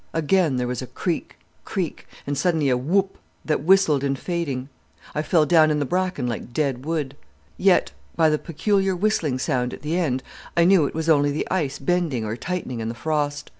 Again there was a creak, creak, and suddenly a whoop, that whistled in fading. I fell down in the bracken like dead wood. Yet, by the peculiar whistling sound at the end, I knew it was only the ice bending or tightening in the frost.